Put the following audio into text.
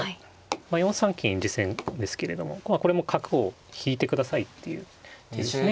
４三金実戦ですけれどもこれも角を引いてくださいっていう手ですね。